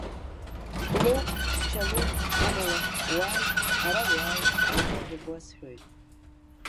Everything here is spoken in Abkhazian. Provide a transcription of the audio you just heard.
Лоуп, хьча лоуп, амала, уааи, ара уааи, маӡажәак уасҳәоит.